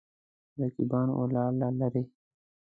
رقیبان ولاړ له لرې.